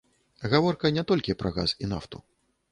Гаворка не толькі пра газ і нафту.